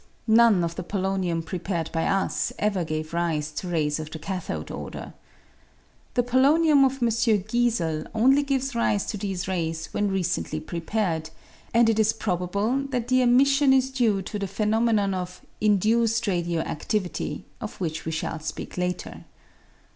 None of the polonium prepared by us ever gave rise to rays of the cathode order. The polonium of M. Giesel only gives rise to these rays when recently prepared, and it is probable that the emission is due to the phenomenon of induced radio adivity of which we shall speak later.